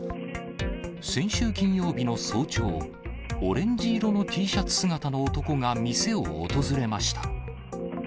先週金曜日の早朝、オレンジ色のＴシャツ姿の男が店を訪れました。